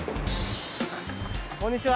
こんにちは。